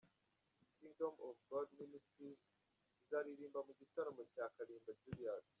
Kingdom of God Ministries izaririmba mu gitaramo cya Kalimba Julius.